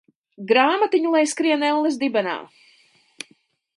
Grāmatiņa lai skrien elles dibenā.